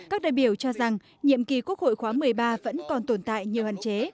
các đại biểu cho rằng nhiệm kỳ quốc hội khóa một mươi ba vẫn còn tồn tại nhiều hạn chế